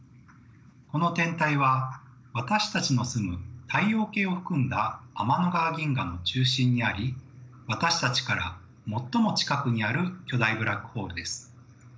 この天体は私たちの住む太陽系を含んだ天の川銀河の中心にあり私たちから最も近くにある巨大ブラックホールです。